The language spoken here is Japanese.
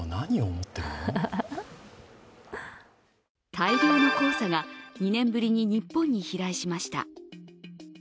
大量の黄砂が２年ぶりに日本に飛来しました。